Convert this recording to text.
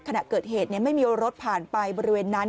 ขณะเกิดเหตุไม่มีรถผ่านไปบริเวณนั้น